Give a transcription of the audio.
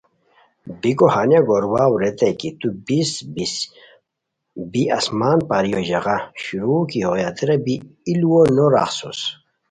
بیکو ہانیہ گور واؤ ریتائے کی تو بیس بیس، بی آسمان پریو ژاغہ شروغ کی ہوئے ہتیرا بی ای لوؤ نو راخڅوس